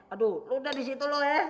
aduh lu udah di situ lu eh